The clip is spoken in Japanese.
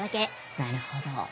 なるほど。